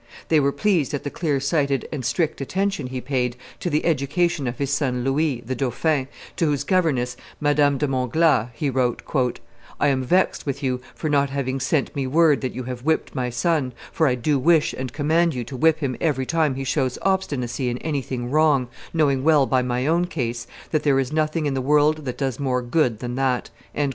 They were pleased at the clear sighted and strict attention he paid to the education of his son Louis, the dauphin, to whose governess, Madame de Montglas, he wrote, "I am vexed with you for not having sent me word that you have whipped my son, for I do wish and command you to whip him every time he shows obstinacy in anything wrong, knowing well by my own case that there is nothing in the world that does more good than that."